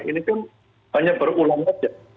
ini kan hanya berulang saja